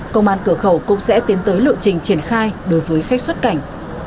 công an cửa khẩu cũng sẽ tiến tới lộ trình triển khai đối với khách xuất cảnh